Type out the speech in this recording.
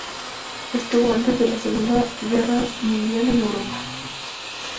Estuvo antes de la Segunda Guerra Mundial en Europa.